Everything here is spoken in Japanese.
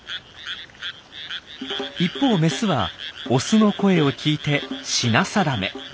一方メスはオスの声を聞いて品定め。